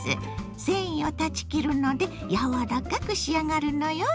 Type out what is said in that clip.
繊維を断ち切るので柔らかく仕上がるのよ。